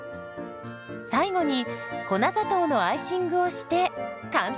最後に粉砂糖のアイシングをして完成。